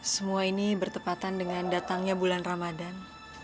semua ini bertepatan dengan datangnya bulan ramadan